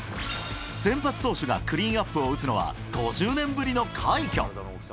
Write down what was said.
先発投手がクリーンアップを打つのは、５０年ぶりの快挙。